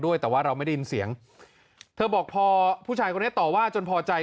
ด้วยแต่ว่าเราไม่ได้ยินเสียงเธอบอกพอผู้ชายคนนี้ต่อว่าจนพอใจ